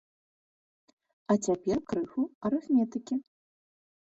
А цяпер крыху арыфметыкі.